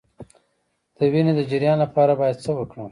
د وینې د جریان لپاره باید څه وکړم؟